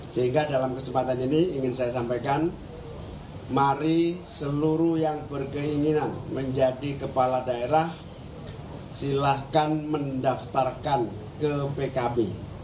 sehingga dalam kesempatan ini ingin saya sampaikan mari seluruh yang berkeinginan menjadi kepala daerah silahkan mendaftarkan ke pkb